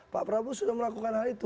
pak prabowo sudah melakukan hal itu